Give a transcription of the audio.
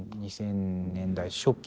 ２０００年代初期。